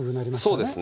そうですね。